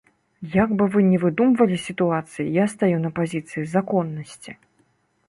Як бы вы ні выдумвалі сітуацыі, я стаю на пазіцыі законнасці!